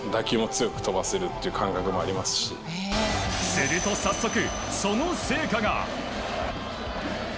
すると早速その成果が。